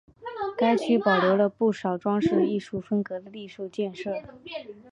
该区保留了不少装饰艺术风格的历史建筑。